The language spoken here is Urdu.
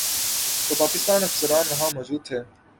تو پاکستانی افسران وہاں موجود تھے۔